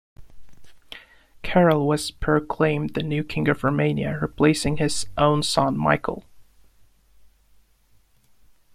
Carol was proclaimed the new King of Romania, replacing his own son Michael.